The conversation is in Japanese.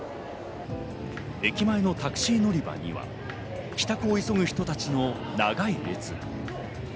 駅前のタクシー乗り場には帰宅を急ぐ人たちの長い列。